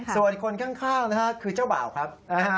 ส่วนคนข้างนะฮะคือเจ้าบ่าวครับ